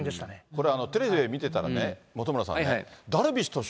これ、テレビで見てたらね、本村さんね、ダルビッシュ投手